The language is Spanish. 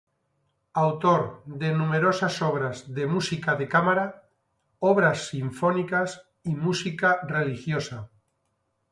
Autor de numerosas obras de música de cámara, obras sinfónicas y música religiosa.